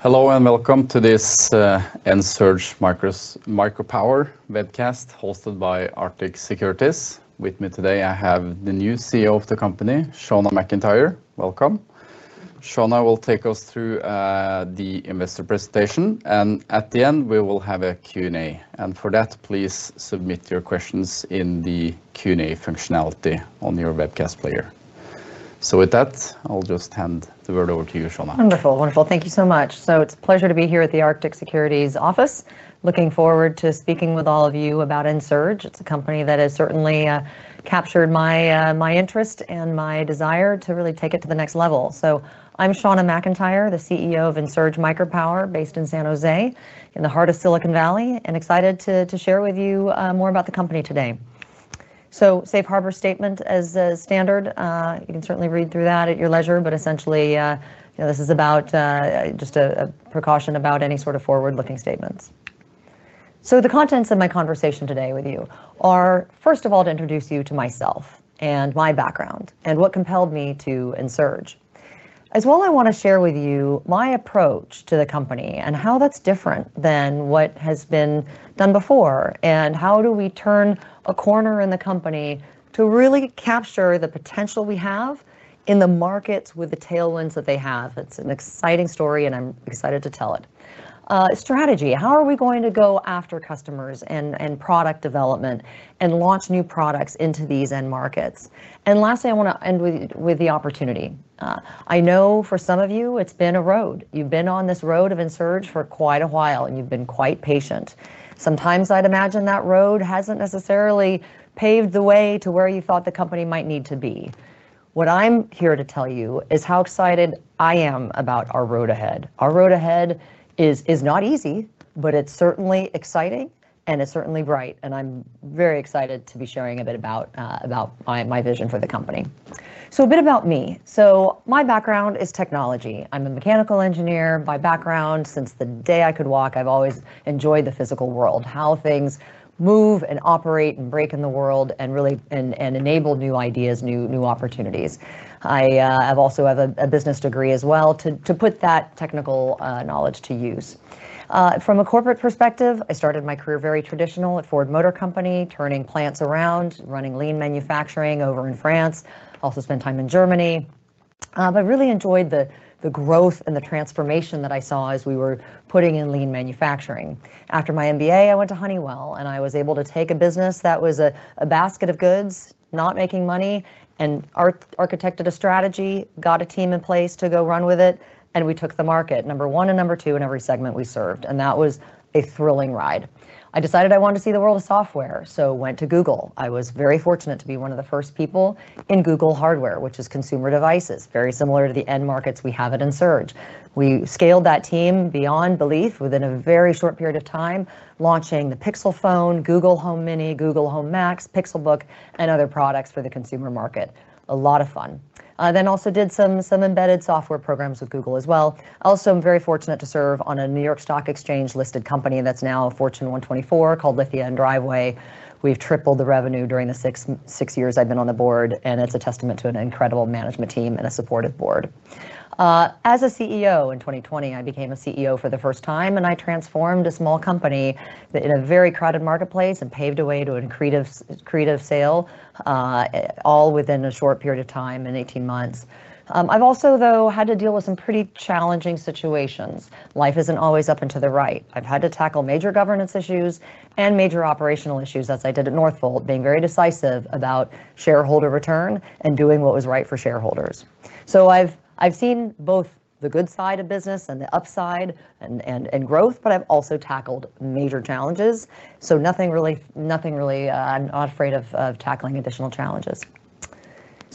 Hello and welcome to this Ensurge Micropower webcast hosted by Arctic Securities. With me today I have the new CEO of the company, Shauna McIntyre. Welcome. Shauna will take us through the investor presentation and at the end we will have a Q and A. For that, please submit your questions in the Q and A functionality on your webcast player. With that, I'll just hand the word over to you, Shauna. Wonderful, wonderful. Thank you so much. It's a pleasure to be here at the Arctic Securities office. Looking forward to speaking with all of you about Ensurge. It's a company that has certainly captured my interest and my desire to really take it to the next level. I'm Shauna McIntyre, the CEO of Ensurge Micropower based in San Jose in the heart of Silicon Valley and excited to share with you more about the company today. Safe harbor statement as a standard, you can certainly read through that at your leisure, but essentially this is about just a precaution about any sort of forward-looking statements. The contents of my conversation today with you are first of all to introduce you to myself and my background and what compelled me to Ensurge as well. I want to share with you my approach to the company and how that's different than what has been done before and how we turn a corner in the company to really capture the potential we have in the markets with the tailwinds that they have. It's an exciting story and I'm excited to tell it. Strategy, how are we going to go after customers and product development and launch new products into these end markets. Lastly, I want to end with the opportunity. I know for some of you it's been a road. You've been on this road of Ensurge for quite a while and you've been quite patient sometimes. I'd imagine that road hasn't necessarily paved the way to where you thought the company might need to be. What I'm here to tell you is how excited I am about our road ahead. Our road ahead is not easy, but it's certainly exciting and it's certainly bright and I'm very excited to be sharing a bit about my vision for the company. A bit about me. My background is technology. I'm a mechanical engineer by background. Since the day I could walk, I've always enjoyed the physical world, how things move and operate and break in the world and really enable new ideas, new opportunities. I also have a business degree as well to put that technical knowledge to use from a corporate perspective. I started my career very traditional at Ford Motor Company turning plants around, running lean manufacturing over in France. Also spent time in Germany, but really enjoyed the growth and the transformation that I saw as we were putting in lean manufacturing. After my MBA, I went to Honeywell and I was able to take a business that was a basket of goods not making money and architected a strategy, got a team in place to go run with it, and we took the market number one and number two in every segment we served, and that was a thrilling ride. I decided I wanted to see the world of software, so went to Google. I was very fortunate to be one of the first people in Google hardware, which is consumer devices. Very similar to the end markets we have at Ensurge. We scaled that team beyond belief within a very short period of time, launching the Pixel Phone, Google Home Mini, Google Home Max, Pixelbook, and other products for the consumer market. A lot of fun. Then also did some embedded software programs with Google as well. Also, I'm very fortunate to serve on a New York Stock Exchange listed company that's now Fortune 124 called Lithia & Driveway. We've tripled the revenue during the six years I've been on the board, and it's a testament to an incredible management team and a supportive board. As a CEO, in 2020, I became a CEO for the first time and I transformed a small company in a very crowded marketplace and paved a way to an accretive, accretive sale all within a short period of time in 18 months. I've also, though, had to deal with some pretty challenging situations. Life isn't always up and to the right. I've had to tackle major governance issues and major operational issues, as I did at Northvolt, being very decisive about shareholder return and doing what was right for shareholders. I've seen both the good side of business and the upside and growth, but I've also tackled major challenges. I'm not afraid of tackling additional challenges.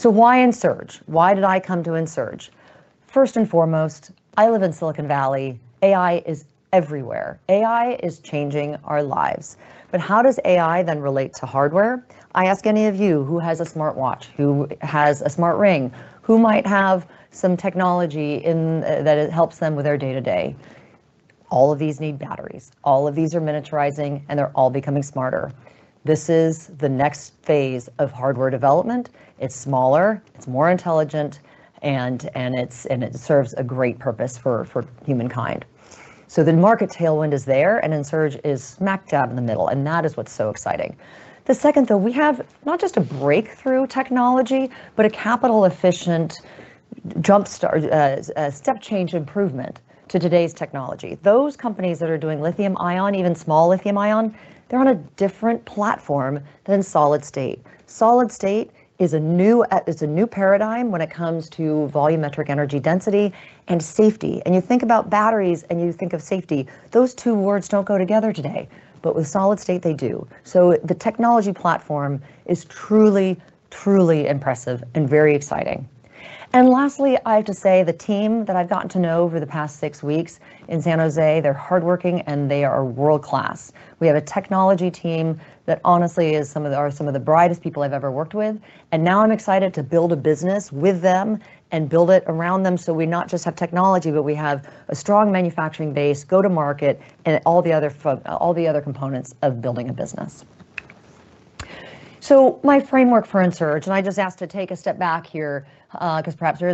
Why Ensurge? Why did I come to Ensurge? First and foremost, I live in Silicon Valley. AI is everywhere. AI is changing our lives. How does AI then relate to hardware? I ask any of you who has a smartwatch, who has a smart ring, who might have some technology that helps them with their day to day. All of these need batteries, all of these are miniaturizing, and they're all becoming smarter. This is the next phase of hardware development. It's smaller, it's more intelligent, and it serves a great purpose for humankind. The market tailwind is there and Ensurge is smack dab in the middle. That is what's so exciting. The second, though, we have not just a breakthrough technology, but a capital efficient jumpstart, step change, improvement to today's technology. Those companies that are doing lithium ion, even small lithium ion, they're on a different platform than solid-state. Solid-state is a new paradigm when it comes to volumetric energy density and safety. You think about batteries and you think of safety, those two words don't go together today, but with solid-state they do. The technology platform is truly, truly impressive and very exciting. Lastly, I have to say the team that I've gotten to know for the past six weeks in San Jose, they're hardworking and they are world class. We have a technology team that honestly is some of the, are some of the brightest people I've ever worked with. Now I'm excited to build a business with them and build it around them. We not just have technology, but we have a strong manufacturing base, go to market and all the other components of building a business. My framework for Ensurge, and I just ask to take a step back here because perhaps there are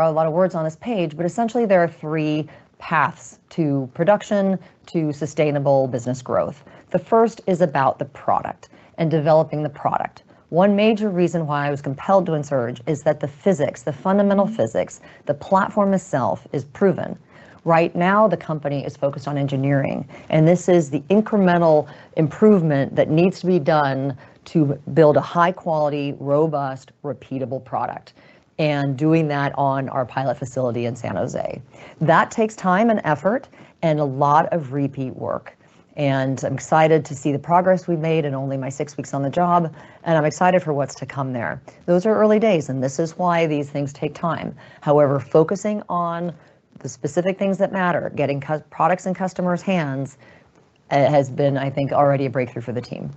a lot of words on this page, but essentially there are three paths to production, to sustainable business growth. The first is about the product and developing the product. One major reason why I was compelled to Ensurge is that the physics, the fundamental physics, the platform itself is proven. Right now the company is focused on engineering and this is the incremental improvement that needs to be done to build a high quality, robust, repeatable product. Doing that on our pilot facility in San Jose takes time and effort and a lot of repeat work. I'm excited to see the progress we've made in only my six weeks on the job. I'm excited for what's to come there. These are early days and this is why these things take time. However, focusing on the specific things that matter, getting products in customers' hands has been, I think, already a breakthrough for the team.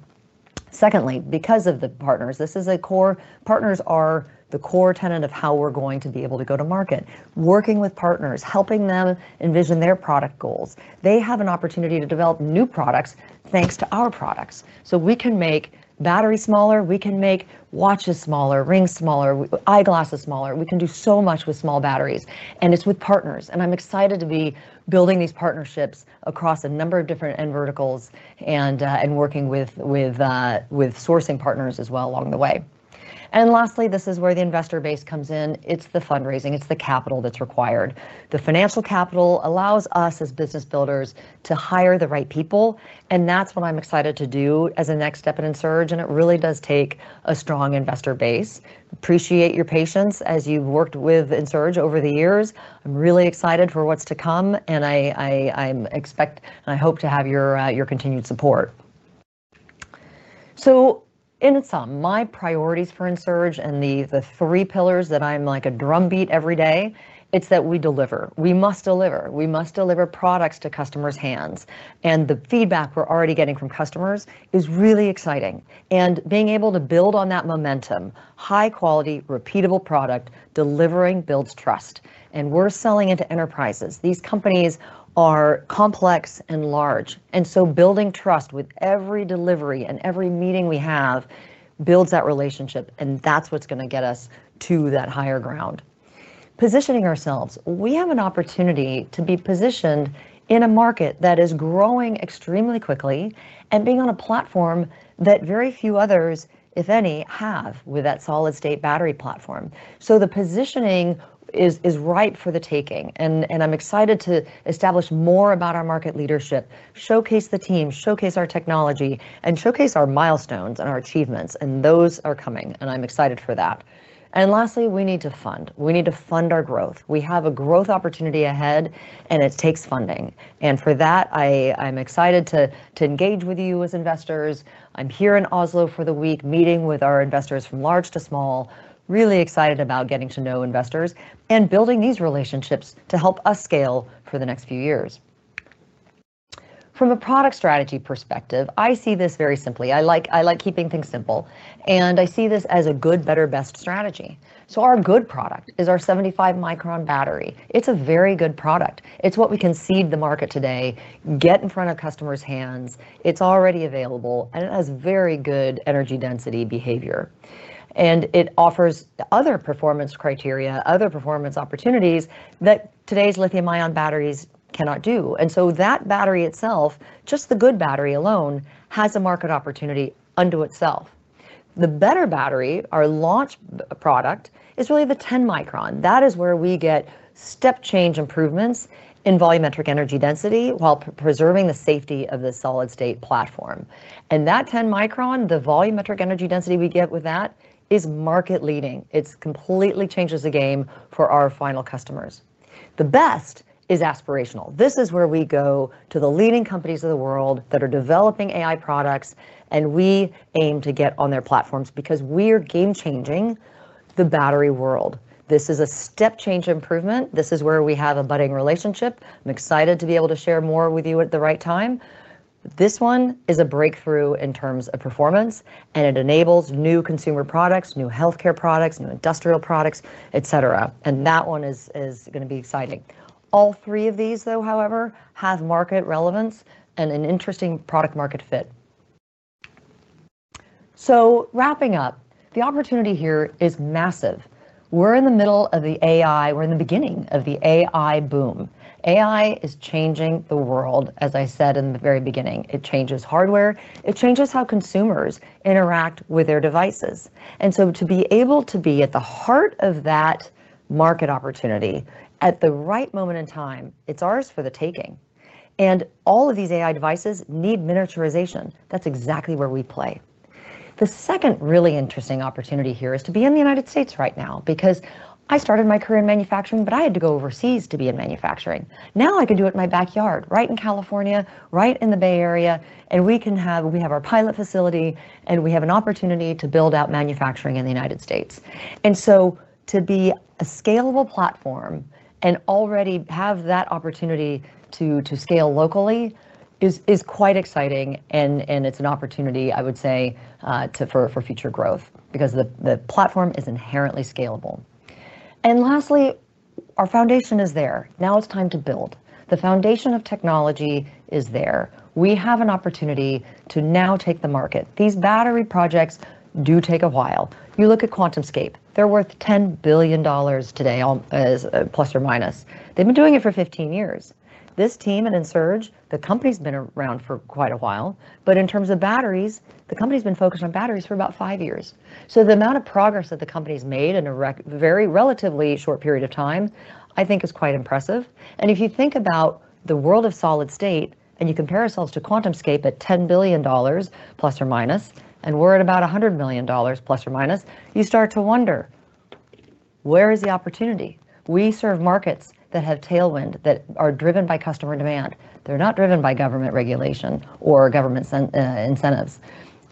Secondly, because of the partners. This is a core. Partners are the core tenet of how we're going to be able to go to market. Working with partners, helping them envision their product goals. They have an opportunity to develop new products thanks to our products. We can make batteries smaller, we can make watches smaller, rings smaller, eyeglasses smaller. We can do so much with small batteries and it's with partners. I'm excited to be building these partnerships across a number of different end verticals and working with sourcing partners as well along the way. Lastly, this is where the investor base comes in. It's the fundraising, it's the capital that's required. The financial capital allows us as business builders to hire the right people. That's what I'm excited to do as a next step in Ensurge. It really does take a strong investor base. I appreciate your patience as you've worked with Ensurge over the years. I'm really excited for what's to come and I hope to have your continued support. In sum, my priorities for Ensurge and the three pillars that I'm like a drumbeat every day, it's that we deliver, we must deliver. We must deliver products to customers' hands and the feedback we're already getting from customers is really exciting. Being able to build on that momentum, high quality, repeatable product delivering builds trust. We're selling into enterprises. These companies are complex and large. Building trust with every delivery and every meeting we have builds that relationship. That's what's going to get us to that higher ground. Positioning ourselves, we have an opportunity to be positioned in a market that is growing extremely quickly and being on a platform that very few others, if any, have with that solid-state battery platform. The positioning is ripe for the taking. I'm excited to establish more about our market leadership, showcase the team, showcase our technology, and showcase our milestones and our achievements. Those are coming and I'm excited for that. Lastly, we need to fund, we need to fund our growth. We have a growth opportunity ahead and it takes funding. For that, I'm excited to engage with you as investors. I'm here in Oslo for the week, meeting with our investors from large to small, really excited about getting to know investors and building these relationships to help us scale for the next few years. From a product strategy perspective, I see this very simply. I like keeping things simple and I see this as a good, better, best strategy. Our good product is our 75-micron battery. It's a very good product. It's what we can seed the market today, get in front of customers' hands, it's already available and it has very good energy density behavior and it offers other performance criteria, other performance opportunities that today's lithium-ion batteries cannot do. That battery itself, just the good battery alone, has a market opportunity unto itself. The better battery, our launch product, is really the 10-micron. That is where we get step change improvements in volumetric energy density while preserving the safety of the solid-state platform. That 10-micron, the volumetric energy density we get with that is market leading. It completely changes the game for our final customers. The best is aspirational. This is where we go to the leading companies of the world that are developing AI products, and we aim to get on their platforms because we are game changing the battery world. This is a step change improvement. This is where we have a budding relationship. I'm excited to be able to share more with you at the right time. This one is a breakthrough in terms of performance, and it enables new consumer products, new health care products, new industrial products, etc. That one is going to be exciting. All three of these, however, have market relevance and an interesting product market fit. Wrapping up, the opportunity here is massive. We're in the middle of the AI, we're in the beginning of the AI boom. AI is changing the world. As I said in the very beginning, it changes hardware, it changes how consumers interact with their devices. To be able to be at the heart of that market opportunity at the right moment in time, it's ours for the taking. All of these AI devices need miniaturization. That's exactly where we play. The second really interesting opportunity here is to be in the United States right now because I started my career in manufacturing, but I had to go overseas to be in manufacturing. Now I could do it in my backyard, right in California, right in the Bay Area. We have our pilot facility, and we have an opportunity to build out manufacturing in the United States. To be a scalable platform and already have that opportunity to scale locally is quite exciting. It's an opportunity, I would say, for future growth because the platform is inherently scalable. Lastly, our foundation is there. Now it's time to build. The foundation of technology is there. We have an opportunity to now take the market. These battery projects do take a while. You look at QuantumScape, they're worth $10 billion today, plus or minus. They've been doing it for 15 years. This team and Ensurge, the company's been around for quite a while, but in terms of batteries, the company's been focused on batteries for about five years. The amount of progress that the company's made in a very relatively short period of time, I think is quite impressive. If you think about the world of solid-state and you compare ourselves to QuantumScape at $10 billion plus or minus and we're at about $100 million, plus or minus, you start to wonder, where is the opportunity? We serve markets that have tailwind, that are driven by customer demand. They're not driven by government regulation or government incentives.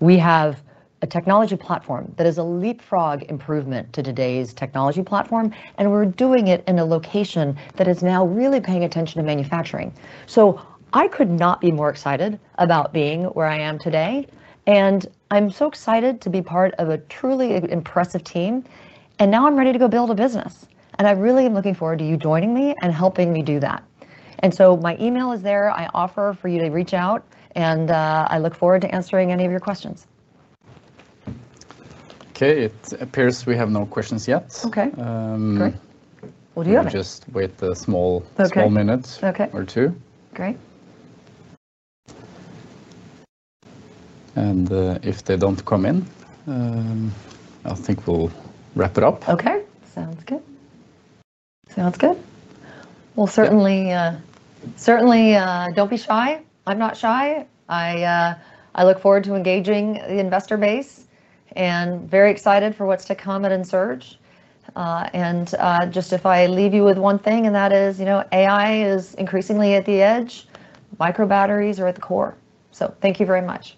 We have a technology platform that is a leapfrog improvement to today's technology platform, and we're doing it in a location that is now really paying. I could not be more excited about being where I am today. I'm so excited to be part of a truly impressive team. Now I'm ready to go build a business. I really am looking forward to you joining me and helping me do that. My email is there. I offer for you to reach out, and I look forward to answering any of your questions. Okay, it appears we have no questions yet. Okay. Just wait a minute or two. Great. If they don't come in, I think we'll wrap it up. Okay. Sounds good. Certainly, don't be shy. I'm not shy. I look forward to engaging the investor base and very excited for what's to come at Ensurge. If I leave you with one thing, and that is, you know, AI is increasingly at the edge. Microbatteries are at the core. Thank you very much.